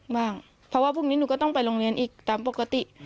บ้างเพราะว่าพรุ่งนี้หนูก็ต้องไปโรงเรียนอีกตามปกติ